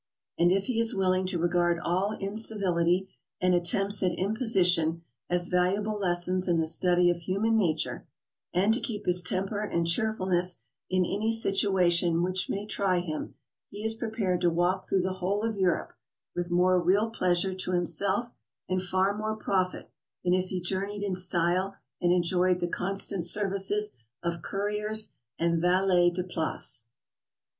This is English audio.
And if he is willing to regard all in civility and attempts at imposition as valuable lessons in the study of human nature, and to keep his temper and cheerful ness in any situation which may try him, he is prepared to walk through the whole of Europe, with more real pleasure to himself, and far more profit, than if he journeyed in style and enjoyed the constant services of couriers and valets de place.